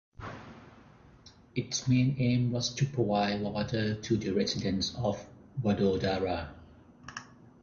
Its main aim was to provide water to the residents of Vadodara.